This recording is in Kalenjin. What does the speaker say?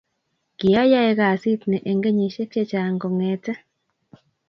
Kiayaye kasit ni eng kenyisiek chechang kongete